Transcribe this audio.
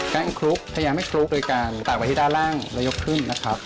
คลุกพยายามให้คลุกโดยการตากไว้ที่ด้านล่างแล้วยกขึ้นนะครับ